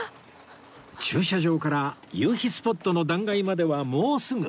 駐車場から夕日スポットの断崖まではもうすぐ